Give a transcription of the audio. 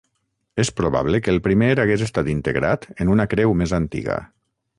És probable que el primer hagués estat integrat en una creu més antiga.